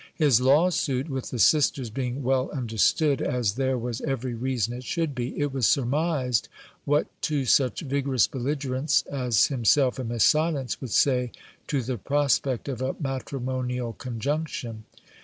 His lawsuit with the sisters being well understood, as there was every reason it should be, it was surmised what two such vigorous belligerents as himself and Miss Silence would say to the prospect of a matrimonial conjunction.